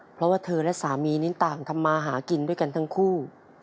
เพราะว่าเธอและสามีนี้ต่างทำมาหากินด้วยกันทั้งคู่